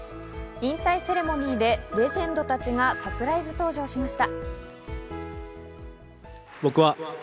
引退セレモニーでレジェンドたちがサプライズ登場しました。